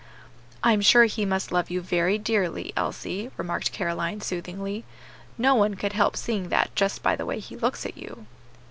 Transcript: "I am sure he must love you very dearly, Elsie," remarked Caroline, soothingly; "no one could help seeing that just by the way he looks at you."